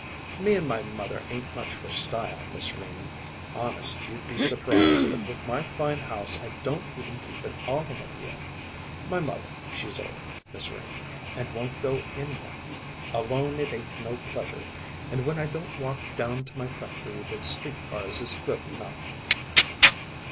"Me and my mother ain't much for style, Miss Renie. Honest, you'd be surprised, but with my fine house I don't even keep an automobile. My mother, she's old, Miss Renie, and won't go in one. Alone it ain't no pleasure; and when I don't walk down to my factory the street cars is good enough."